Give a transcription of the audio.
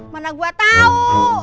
mana gua tau